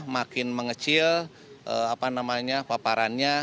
makin mengecil apa namanya paparannya